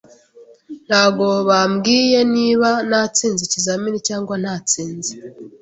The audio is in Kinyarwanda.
Ntabwo bambwiye niba natsinze ikizamini cyangwa ntatsinze.